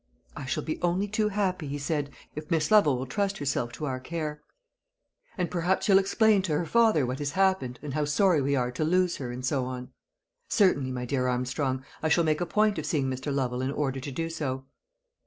"I shall be only too happy," he said, "if Miss Lovel will trust herself to our care." "And perhaps you'll explain to her father what has happened, and how sorry we are to lose her, and so on." "Certainly, my dear Armstrong. I shall make a point of seeing Mr. Lovel in order to do so."